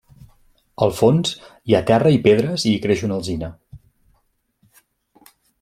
Al fons, hi ha terra i pedres i hi creix una alzina.